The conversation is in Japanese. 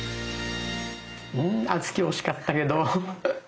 うん敦貴惜しかったけど。